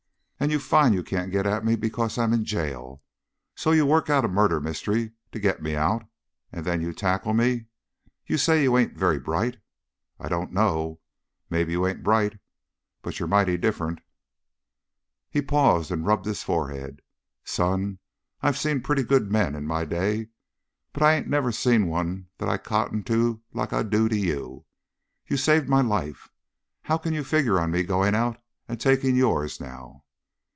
And you find you can't get at me because I'm in jail, so you work out a murder mystery to get me out, and then you tackle me. You say you ain't very bright. I dunno. Maybe you ain't bright, but you're mighty different!" He paused and rubbed his forehead. "Son, I've seen pretty good men in my day, but I ain't never seen one that I cotton to like I do to you. You've saved my life. How can you figure on me going out and taking yours, now?"